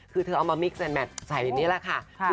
คือเธอเอามามิกซ์ใหม่แบนด์ใส่เป็นนี้แหละค่ะค่ะ